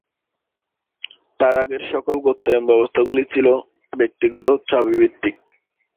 তার আগের সকল গুপ্তায়ন ব্যবস্থাগুলি ছিল ব্যক্তিগত চাবিভিত্তিক।